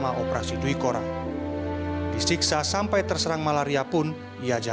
apakah di civil law setting yang surname bahasa